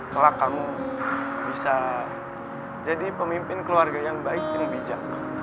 kelak kamu bisa jadi pemimpin keluarga yang baik yang bijak